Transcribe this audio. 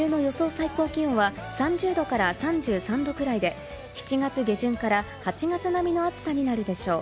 最高気温は、３０度から３３度くらいで、７月下旬から８月並みの暑さになるでしょう。